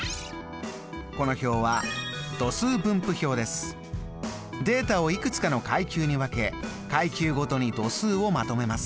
この表はデータをいくつかの階級に分け階級ごとに度数をまとめます。